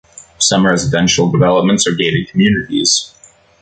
Some residential developments are gated communities.